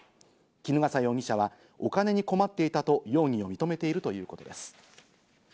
衣笠容疑者はお金に困っていたと容疑を認めているということです。